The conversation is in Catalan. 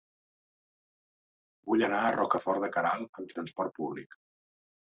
Vull anar a Rocafort de Queralt amb trasport públic.